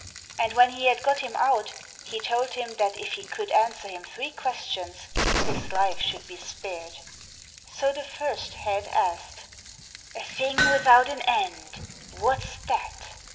And when he had got him out, he told him that if he could answer him three questions his life should be spared. So the first head asked : "A thing without an end, what's that.?"